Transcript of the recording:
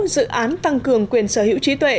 dự án tăng cường quyền sở hữu trí tuệ